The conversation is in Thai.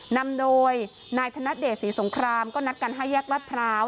นำโดยนายธนเดชศรีสงครามก็นัดกัน๕แยกรัฐพร้าว